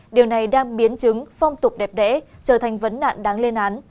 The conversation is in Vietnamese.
điều này đang biến chứng phong tục đẹp đẽ trở thành vấn nạn đáng lên án